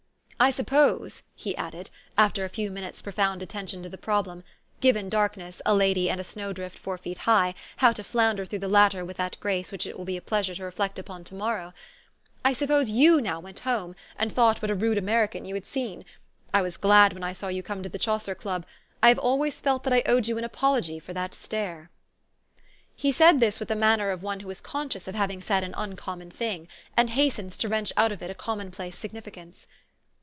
" I suppose," he added, after a few minutes' pro found attention to the problem : given darkness, a lady, and a snow drift four feet high, how to floun der through the latter with that grace which it will be a pleasure to reflect upon to morrow, "I sup pose you now went home, and thought what a rude American you had seen. I was glad when I saw you come into the Chaucer Club. I have always felt that I owed you an apology for that stare." _He said this with the manner of one who is con scious of having said an uncommon thing, and has tens to wrench out of it a common place signifi cance.